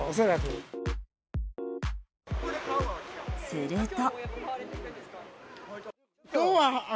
すると。